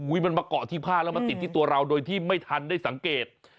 มันมาเกาะที่ผ้าแล้วมาติดที่ตัวเราโดยที่ไม่ทันได้สังเกต